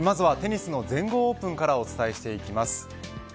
まずはテニスの全豪オープンからお伝えしていきます。